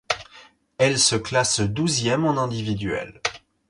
Elle se classe douzième en individuel.